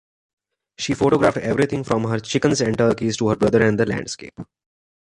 She photographed everything from her chickens and turkeys to her brother and the landscape.